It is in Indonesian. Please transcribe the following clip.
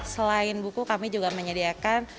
selain buku kami juga menyediakan